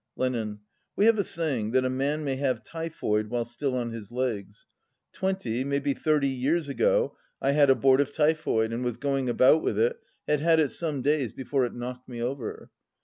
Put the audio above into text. Lenin. "We have a saying that a man may have typhoid while still on his legs. Twenty, maybe thirty years ago I had abortive typhoid, and was going about with it, had had it some days before it knocked me over.